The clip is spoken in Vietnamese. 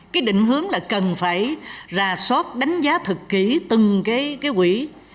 cái định hướng là cần phải ra soát đánh giá thật kỹ từng cái quỹ